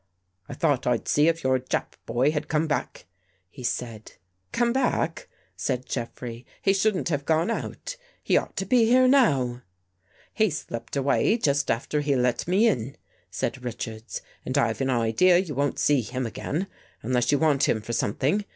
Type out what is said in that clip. " I thought I'd see if your Jap boy had come back," he said. "Come back?" said Jeffrey. "He shouldn't have gone out. He ought to be here now." " He slipped away just after he let me in," said Richards, " and I've an idea you won't see him again, unless you want him for something.